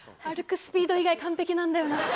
歩くスピード以外完璧なんだよな。